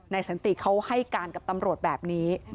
สันติเขาให้การกับตำรวจแบบนี้